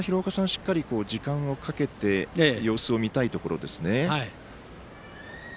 しっかり時間をかけて様子を見たいところですね。